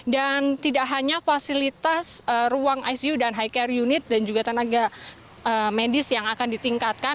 dan tidak hanya fasilitas ruang icu dan high care unit dan juga tenaga medis yang akan ditingkatkan